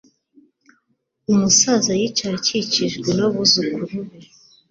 Umusaza yicaye akikijwe nabuzukuru be